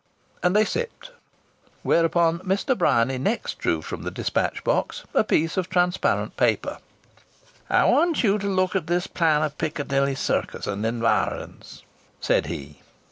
And they sipped. Whereupon Mr. Bryany next drew from the dispatch box a piece of transparent paper. "I want you to look at this plan of Piccadilly Circus and environs," said he.